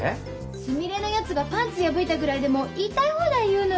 すみれのやつがパンツ破いたぐらいでもう言いたい放題言うのよ。